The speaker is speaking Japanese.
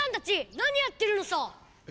なにやってるのさ！